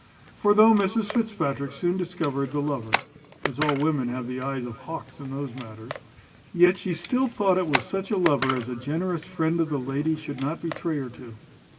For though Mrs Fitzpatrick soon discovered the lover (as all women have the eyes of hawks in those matters), yet she still thought it was such a lover, as a generous friend of the lady should not betray her to.